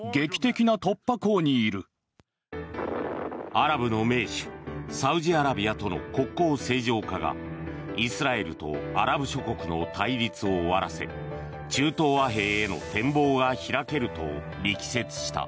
アラブの盟主サウジアラビアとの国交正常化がイスラエルとアラブ諸国の対立を終わらせ中東和平への展望が開けると力説した。